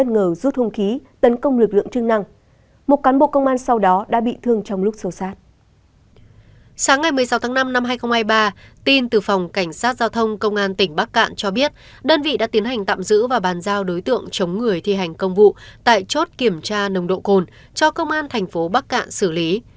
sáng ngày một mươi sáu tháng năm năm hai nghìn hai mươi ba tin từ phòng cảnh sát giao thông công an tỉnh bắc cạn cho biết đơn vị đã tiến hành tạm giữ và bàn giao đối tượng chống người thi hành công vụ tại chốt kiểm tra nồng độ cồn cho công an thành phố bắc cạn xử lý